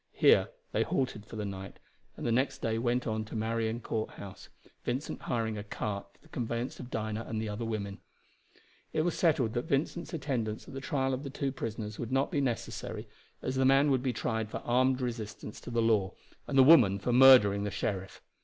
Here they halted for the night, and the next day went on to Marion Courthouse, Vincent hiring a cart for the conveyance of Dinah and the other women. It was settled that Vincent's attendance at the trial of the two prisoners would not be necessary, as the man would be tried for armed resistance to the law, and the woman for murdering the sheriff.